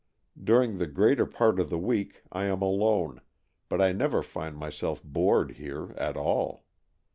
During the greater part of the w'eek I am alone, but I never find myself bored here at all.